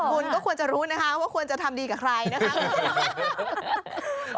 คุณก็ควรจะรู้นะคะว่าควรจะทำดีกับใครนะคะ